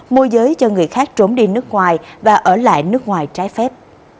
môi giới cho người khác trốn đi nước ngoài và ở lại nước ngoài trái phép